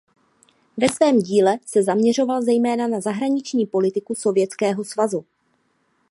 Ve svém díle se zaměřoval zejména na zahraniční politiku Sovětského svazu.